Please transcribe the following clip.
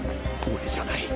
俺じゃない！